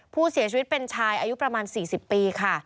ผู้เสียชีวิตเป็นชายอายุประมาณ๔๐ปีค่ะ